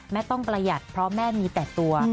ต้องประหยัดเพราะแม่มีแต่ตัว